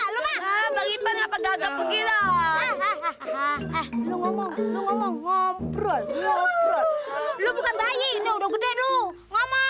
lu mau ngomong ngomong lu bukan bayi udah gede lu ngomong juga enak aja lagi